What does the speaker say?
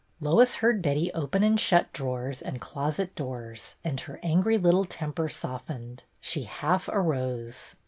Lois heard Betty open and shut drawers and closet doors, and her angry little temper softened. She half arose.